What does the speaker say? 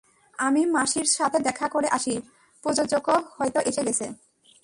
আমি মাসির সাথে দেখা করে আসি, প্রযোজকও হয়তো এসে গেছে।